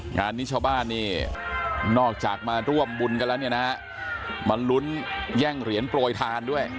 งานนี้ชาวบ้านนี่นอกจากมาร่วมบุญกันแล้วเนี่ยนะฮะมาลุ้นแย่งเหรียญโปรยทานด้วย